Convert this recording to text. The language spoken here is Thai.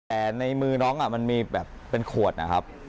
แต่ในมือน้องมันมีแบบเป็นขวดนะครับ